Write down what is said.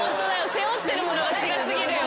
背負ってるものが違い過ぎるよ。